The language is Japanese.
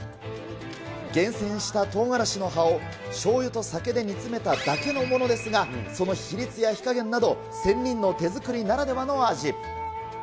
厳選したトウガラシの葉をしょうゆと酒で煮詰めただけのものですが、その比率や火加減など、仙人の手作りならではの味。